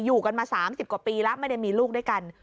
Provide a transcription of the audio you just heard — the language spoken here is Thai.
อยู่กันมา๓๐กว่าปีแล้วไม่ได้มีลูกด้วยกัน